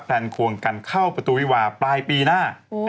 แนนควงกันเข้าประตูวิวาปลายปีหน้า